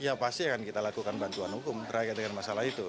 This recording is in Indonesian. ya pasti akan kita lakukan bantuan hukum terkait dengan masalah itu